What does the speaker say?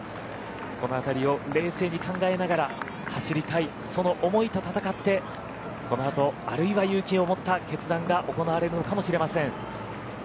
この辺りを冷静に考えんながら走りたいその思いと戦ってこのあとあるいは勇気を持った決断が行われるのかもしれません。